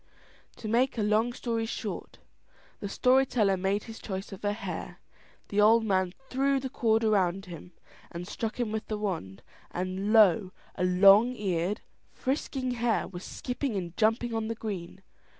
To make a long story short, the story teller made his choice of a hare; the old man threw the cord round him, struck him with the wand, and lo! a long eared, frisking hare was skipping and jumping on the green.